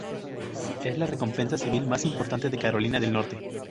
Es la recompensa civil más importante de Carolina del Norte.